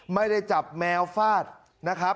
ไม่ได้จับแมวฟาดนะครับ